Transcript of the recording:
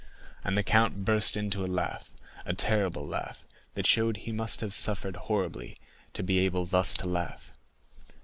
And the count burst into a laugh; a terrible laugh, that showed he must have suffered horribly to be able thus to laugh.